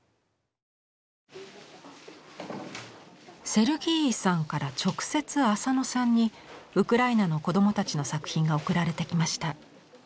セルギーイさんから直接浅野さんにウクライナの子どもたちの作品が送られてきました。